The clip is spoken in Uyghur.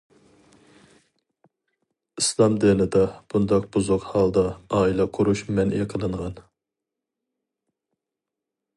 ئىسلام دىنىدا بۇنداق بۇزۇق ھالدا ئائىلە قۇرۇش مەنئى قىلىنغان.